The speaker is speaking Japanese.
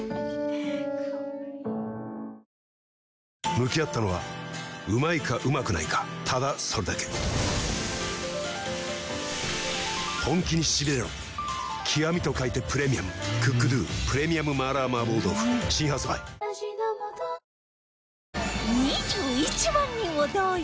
向き合ったのはうまいかうまくないかただそれだけ極と書いてプレミアム「ＣｏｏｋＤｏ 極麻辣麻婆豆腐」新発売２１万人を動員！